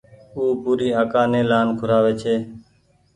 او پوري آڪآ ني لآن کورآوي ڇي